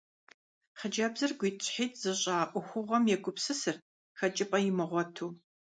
Хъыджэбзыр гуитӀщхьитӀ зыщӏа ӏуэхугъуэм егупсысырт, хэкӏыпӏэ имыгъуэту.